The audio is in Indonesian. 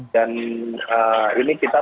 dan ini kita